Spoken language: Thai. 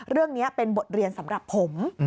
เรื่องนี้เป็นบทเรียนสำหรับผม